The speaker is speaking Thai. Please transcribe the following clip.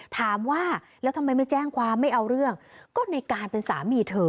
ถามว่าแล้วทำไมไม่แจ้งความไม่เอาเรื่องก็ในการเป็นสามีเธอ